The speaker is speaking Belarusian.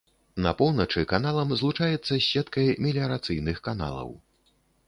На поўначы каналам злучаецца з сеткай меліярацыйных каналаў.